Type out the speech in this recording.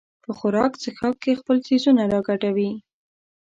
په خوراک څښاک کې خپل څیزونه راګډوي.